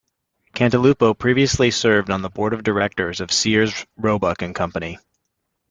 Cantalupo previously served on the board of directors of Sears, Roebuck and Company.